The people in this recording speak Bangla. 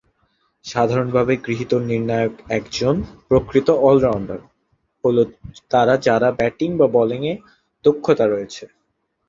সাধারণভাবে গৃহীত নির্ণায়ক একজন "প্রকৃত অলরাউন্ডার" হল তারা যারা ব্যাটিং বা বোলিং দক্ষতা রয়েছে।